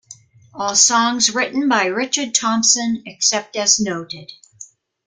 All songs written by Richard Thompson except as noted.